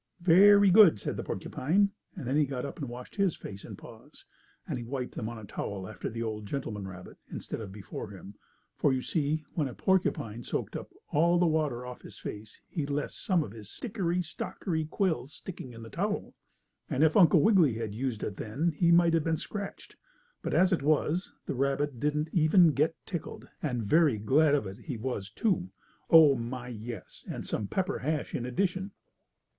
"Very good," said the porcupine, and then he got up and washed his face and paws. And he wiped them on the towel after the old gentleman rabbit, instead of before him, for you see when the porcupine soaked up the water off his face he left some of his stickery stockery quills sticking in the towel, and if Uncle Wiggily had used it then he might have been scratched. But, as it was, the rabbit didn't even get tickled, and very glad of it he was, too. Oh, my, yes, and some pepper hash in addition.